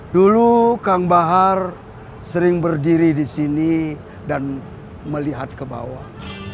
dulu kang bahar sering berdiri di sini dan melihat ke bawah